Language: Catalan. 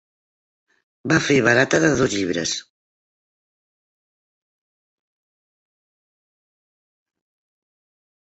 Va fer barata de dos llibres.